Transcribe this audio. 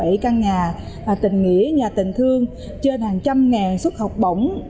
đã tổ chức xây dựng nhà trên chín trăm tám mươi bảy căn nhà tình nghĩa nhà tình thương trên hàng trăm ngàn xuất học bổng